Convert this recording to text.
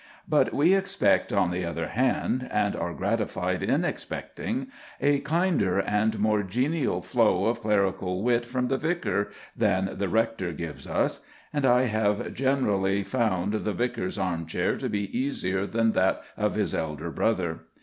But we expect, on the other hand, and are gratified in expecting, a kinder and more genial flow of clerical wit from the vicar than the rector gives us; and I have generally found the vicar's armchair to be easier than that of his elder brother.